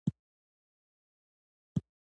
هڅه مې وکړه چې د بېنوا صاحب ملي سرود تل پاتې سرود شي.